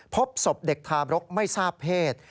พบศพเด็กทาบรกไม่ทราบเพศ